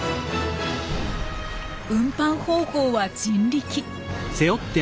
運搬方法は人力。